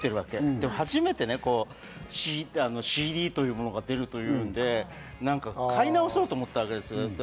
でも初めて、ＣＤというものが出るというんで、買い直そうと思ったんですよ。